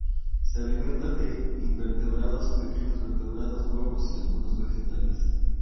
Se alimenta de invertebrados, pequeños vertebrados, huevos y algunos vegetales.